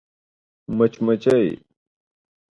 🐝 مچمچۍ